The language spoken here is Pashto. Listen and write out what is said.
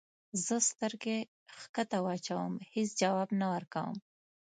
زه سترګې کښته واچوم هیڅ ځواب نه ورکوم.